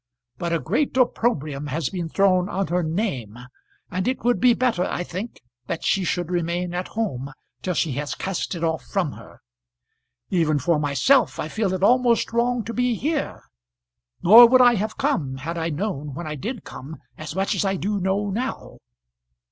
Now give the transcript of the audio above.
But a great opprobrium has been thrown on her name, and it would be better, I think, that she should remain at home till she has cast it off from her. Even for myself, I feel it almost wrong to be here; nor would I have come had I known when I did come as much as I do know now."